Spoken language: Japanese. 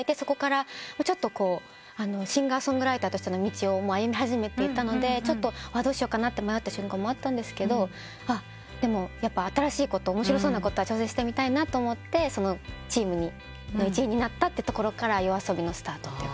シンガー・ソングライターとしての道を歩み始めていたのでどうしようかなと迷った瞬間もあったんですけどでもやっぱ新しいこと面白そうなことは挑戦してみたいなと思ってチームの一員になったところからＹＯＡＳＯＢＩのスタートと。